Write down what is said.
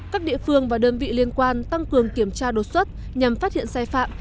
các địa phương và đơn vị liên quan tăng cường kiểm tra đột xuất nhằm phát hiện sai phạm